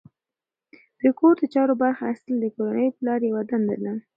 د کور د چارو برخه اخیستل د کورنۍ د پلار یوه دنده ده.